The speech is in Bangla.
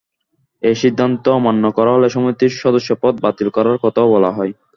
এ সিদ্ধান্ত অমান্য করা হলে সমিতির সদস্যপদ বাতিল করার কথাও বলা হয়।